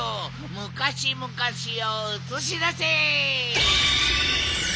むかしむかしをうつしだせ。